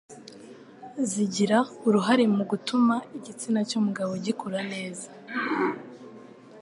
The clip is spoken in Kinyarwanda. zigira uruhare mu gutuma igitsina cy'umugabo gikura neza,